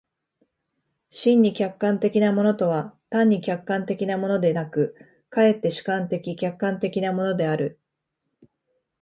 真に客観的なものとは単に客観的なものでなく、却って主観的・客観的なものである。